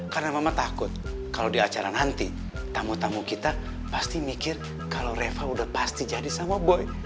karena mama takut kalau di acara nanti tamu tamu kita pasti mikir kalau reva udah pasti jadi sama boy